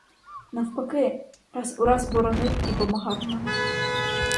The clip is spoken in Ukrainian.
Навпаки, раз у раз боронив і помагав нам.